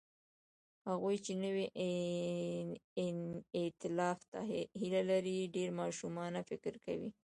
هغوی چې نوي ائتلاف ته هیله لري، ډېر ماشومانه فکر کوي.